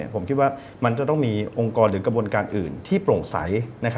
ผมคิดว่ามันจะต้องมีองค์กรหรือกระบวนการอื่นที่โปร่งใส